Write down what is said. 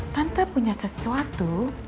tante punya sesuatu